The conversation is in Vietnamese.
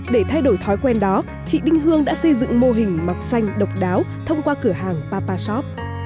để thay đổi thói quen đó chị đinh hương đã xây dựng mô hình mặc xanh độc đáo thông qua cửa hàng papa shop